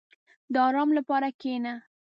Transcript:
• د آرام لپاره کښېنه.